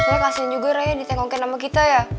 soalnya kasian juga raya ditengokin sama kita ya